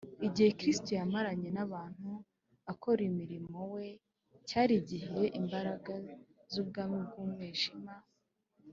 igihe kristo yamaranye n’abantu akora umurimo we cyari igihe imbaraga z’ubwami bw’umwijima